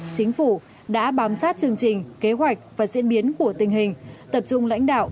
chính phủ đã bám sát chương trình kế hoạch và diễn biến của tình hình tập trung lãnh đạo